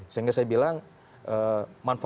sehingga saya bilang manfaatnya kesempatan apapun